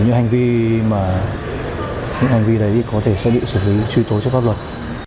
những hành vi đấy có thể sẽ bị xử lý truy tố cho pháp luật